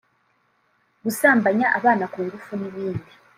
gusambanya abana ku ngufu n’ibindi